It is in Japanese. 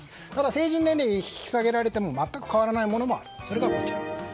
ただ成人年齢が引き下げられても全く変わらないものも。